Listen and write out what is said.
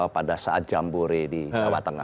pada saat jambore di jawa tengah